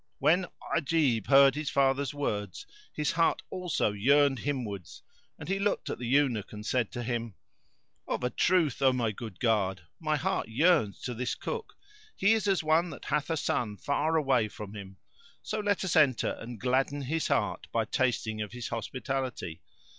When Ajib heard his father's words his heart also yearned himwards and he looked at the Eunuch and said to him, "Of a truth, O my good guard, my heart yearns to this cook; he is as one that hath a son far away from him: so let us enter and gladden his heart by tasting of his hospitality.